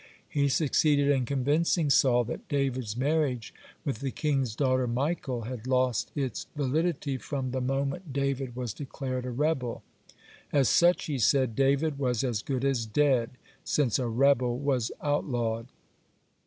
He succeeded in convincing Saul that David's marriage with the king's daughter Michal had lost its validity from the moment David was declared a rebel. As such, he said, David was as good as dead, since a rebel was outlawed.